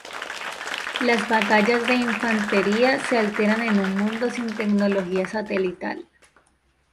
Las batallas de infantería se alteran en un mundo sin tecnología satelital.